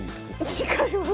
違います。